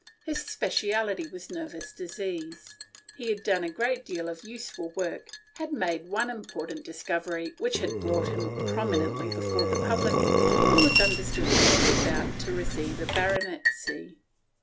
His specialty was nervous disease. He had done a great deal of useful work, and had made one important discovery which had gained him the Fellow ship of the Royal Society, and was under stood to be about to receive a baronetcy.